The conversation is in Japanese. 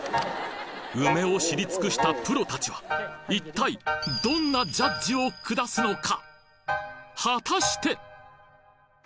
梅を知り尽くしたプロたちは一体どんなジャッジを下すのか！？